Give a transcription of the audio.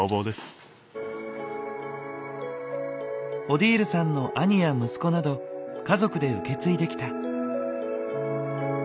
オディールさんの兄や息子など家族で受け継いできた。